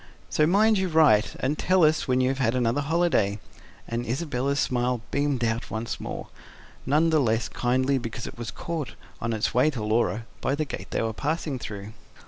So mind you write and tell us when you have another holiday" and Isabella's smile beamed out once more, none the less kindly because it was caught, on its way to Laura, by the gate they were passing through.